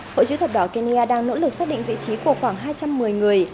hội chữ thập đỏ kenya đang nỗ lực xác định vị trí của khoảng hai trăm một mươi người